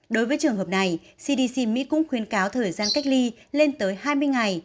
đối với trường hợp này cdc mỹ cũng khuyên cáo thời gian cách ly lên tới hai mươi ngày